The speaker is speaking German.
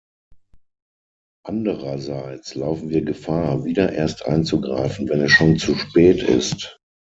Andererseits laufen wir Gefahr, wieder erst einzugreifen, wenn es schon zu spät ist.